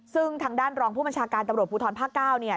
ซึ่งทางด้านรองผู้บัญชาการตำรวจภูทรภาค๙เนี่ย